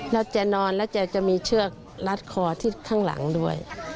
แล้วแกนอนแล้วแกจะมีเชือกรัดคอที่ข้างหลังด้วย